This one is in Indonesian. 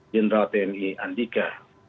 jenderal tni andika